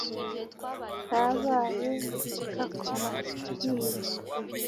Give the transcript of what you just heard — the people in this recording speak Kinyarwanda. kabaye gakora nk’ibiro.